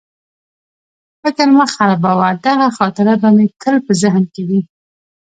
فکر مه خرابوه، دغه خاطره به مې تل په ذهن کې وي.